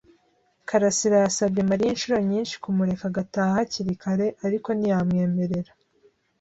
karasira yasabye Mariya inshuro nyinshi kumureka agataha hakiri kare, ariko ntiyamwemerera.